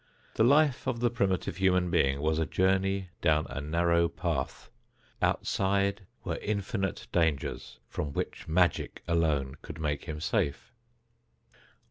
The life of the primitive human being was a journey down a narrow path; outside were infinite dangers from which magic alone could make him safe.